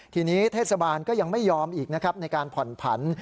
ทีนี้เทศบาลก็ยังไม่ยอมอีกนะครับในการผ่อนผัน